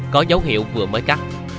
có dấu hiệu vừa mới cắt